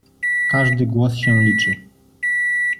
Każdy głos się liczy.